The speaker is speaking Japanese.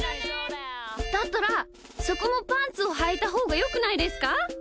だったらそこもパンツをはいたほうがよくないですか？